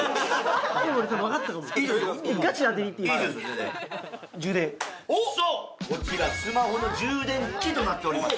全然そうこちらスマホの充電器となっております